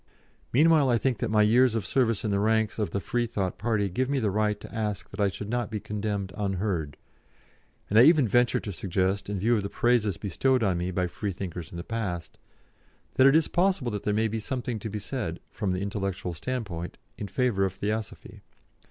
Meanwhile I think that my years of service in the ranks of the Freethought party give me the right to ask that I should not be condemned unheard, and I even venture to suggest, in view of the praises bestowed on me by Freethinkers in the past, that it is possible that there may be something to be said, from the intellectual standpoint, in favour of Theosophy.